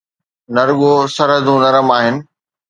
نه رڳو سرحدون نرم آهن.